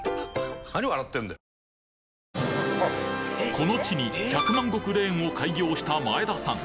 この地に百万石レーンを開業した前田さん